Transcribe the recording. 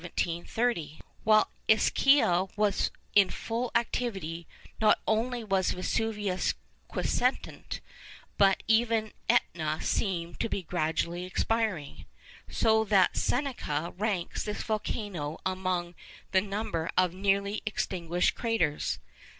While Ischia was in full activity, not only was Vesuvius quiescent, but even Etna seemed to be gradually expiring, so that Seneca ranks this volcano among the number of nearly extinguished craters.